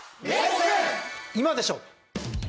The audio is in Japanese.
今でしょ！